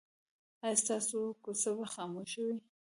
ایا ستاسو کوڅه به خاموشه وي؟